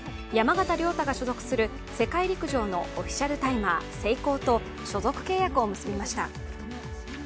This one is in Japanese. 山縣亮太が所属する世界陸上のオフィシャルタイマーセイコーと所属契約を結びました。